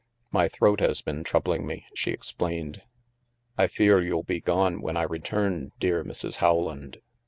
" My throat has been troubling me," she ex plained. " I fear you'll be gone when I return, dear Mrs. Rowland.